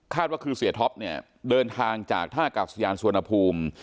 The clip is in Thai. ว่าคือเสียท็อปเนี่ยเดินทางจากท่ากาศยานสุวรรณภูมิ